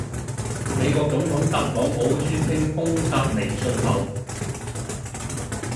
美國總統特朗普宣稱封殺微信後